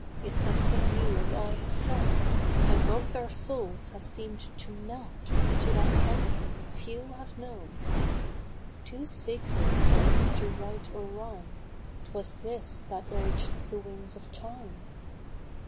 Is something you and I have felt, When both our souls have seem'd to melt Into that something few have known ; no A Reproach. Too sacred this to write or rhyme, 'Twas this that urged the wings of Time